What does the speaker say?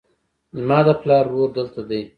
زما د پلار ورور دلته دی